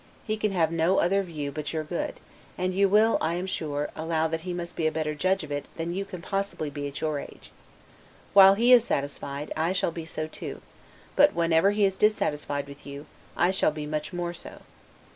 He can have no other view but your good; and you will, I am sure, allow that he must be a better judge of it than you can possibly be at your age. While he is satisfied, I shall be so too; but whenever he is dissatisfied with you, I shall be much more so.